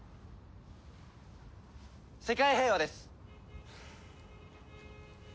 世界平和です！